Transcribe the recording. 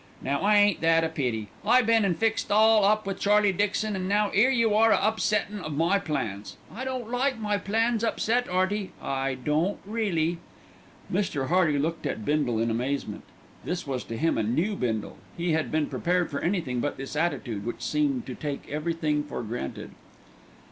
"Now ain't that a pity. I been and fixed it all up with Charlie Dixon, and now 'ere are you a upsettin' of my plans. I don't like my plans upset, 'Earty; I don't really." Mr. Hearty looked at Bindle in amazement. This was to him a new Bindle. He had been prepared for anything but this attitude, which seemed to take everything for granted.